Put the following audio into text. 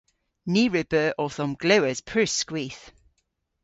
Ni re beu owth omglewas pur skwith.